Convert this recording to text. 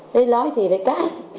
lấy lói thì lại cá